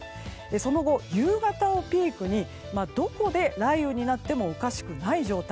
その後、夕方をピークにどこで雷雨になってもおかしくない状態。